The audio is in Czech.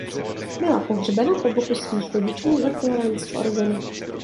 Byla pohřbena po boku svých rodičů ve Florence v Oregonu.